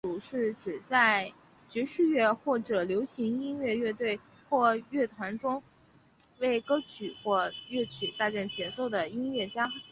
节奏组是指在爵士乐或者流行音乐乐队或乐团中为歌曲或乐曲搭建节奏的音乐家集合。